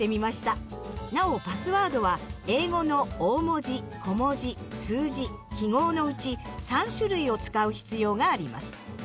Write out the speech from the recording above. なおパスワードは英語の大文字小文字数字記号のうち３種類を使う必要があります。